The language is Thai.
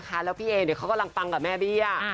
เออแล้วพี่เอ๋เขากำลังปังกับแม่บี้อ่ะ